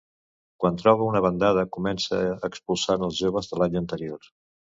Quan troba una bandada comença expulsant als joves de l'any anterior.